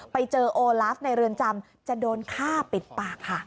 ไปเจอโอลาฟในเรือนจำจะโดนฆ่าปิดปากค่ะ